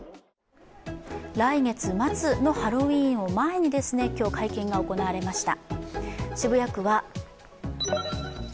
来月末のハロウィーンを前に今日会見が行われました。